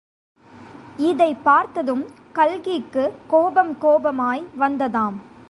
இதைப் பார்த்ததும் கல்கிக்கு கோபம் கோபமாய் வந்ததாம்.